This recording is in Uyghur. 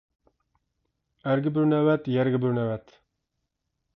ئەرگە بىر نۆۋەت، يەرگە بىر نۆۋەت.